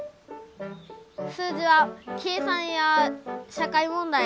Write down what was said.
数字は計算や社会問題